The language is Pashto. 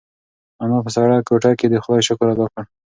انا په سړه کوټه کې د خدای شکر ادا کړ.